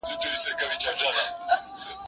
هغه څوک چي پاکوالی کوي منظم وي!.